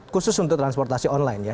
khusus untuk transportasi online ya